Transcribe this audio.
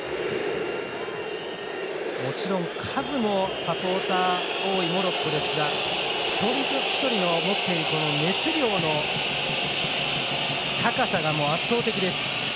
もちろん数もサポーターが多いモロッコですが一人一人の持っている熱量の高さが圧倒的です。